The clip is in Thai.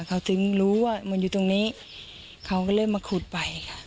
เขาถึงรู้ว่ามันอยู่ตรงนี้เขาก็เลยมาขุดไปค่ะ